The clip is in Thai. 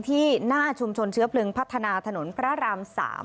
ที่หน้าชุมชนเชื้อเพลิงพัฒนาถนนพระราม๓